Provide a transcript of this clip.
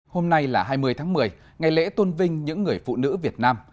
hôm nay là hai mươi tháng một mươi ngày lễ tôn vinh những người phụ nữ việt nam